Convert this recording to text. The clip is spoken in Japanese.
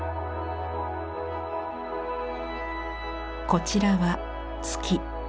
こちらは「月」。